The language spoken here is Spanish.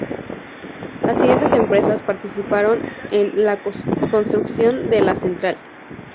Las siguientes empresas participaron en la construcción de la central.